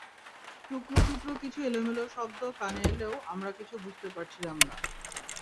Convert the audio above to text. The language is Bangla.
টুকরো টুকরো কিছু এলোমেলো শব্দ কানে এলেও আমরা কিছু বুঝতে পারছিলাম না।